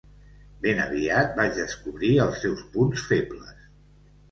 Ben aviat vaig descobrir els seus punts febles.